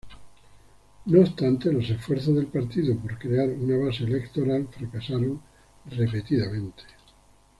No obstante, los esfuerzos del partido para crear una base electoral fracasaron repetidamente.